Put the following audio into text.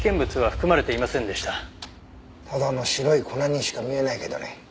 ただの白い粉にしか見えないけどね。